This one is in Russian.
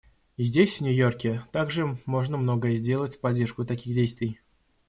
И здесь, в Нью-Йорке, также можно многое сделать в поддержку таких действий.